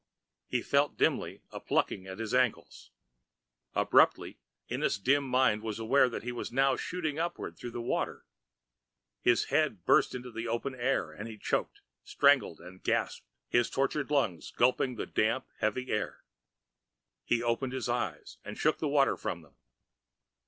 He felt dimly a plucking at his ankles. Abruptly Ennis' dimming mind was aware that he now was shooting upward through the water. His head burst into open air and he choked, strangled and gasped, his tortured lungs gulping the damp, heavy air. He opened his eyes, and shook the water from them.